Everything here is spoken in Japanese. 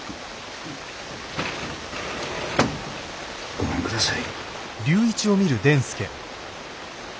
ごめんください。